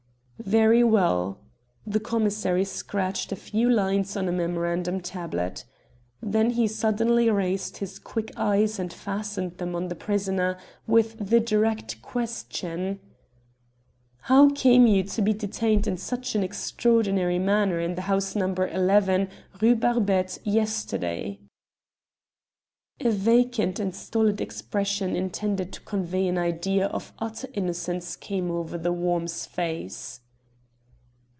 "Very well." The commissary scratched a few lines on a memorandum tablet. Then he suddenly raised his quick eyes and fastened them on the prisoner with the direct question "How came you to be detained in such an extraordinary manner in the house, No. 11, Rue Barbette, yesterday?" A vacant and stolid expression intended to convey an idea of utter innocence came over "The Worm's" face.